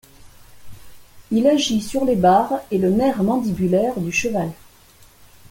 Il agit sur les barres et le nerf mandibulaire du cheval.